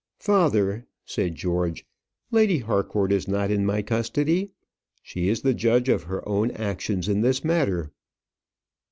"Father," said George, "Lady Harcourt is not in my custody. She is the judge of her own actions in this matter."